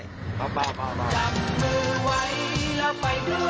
จับมือไว้แล้วไปด้วยกันเหมือนว่าไม่มีวันจะปลากไป